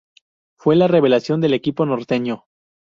Fue la revelación del equipo norteño.